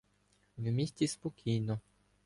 В місті спокійно.